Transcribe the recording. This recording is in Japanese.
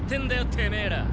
てめーら。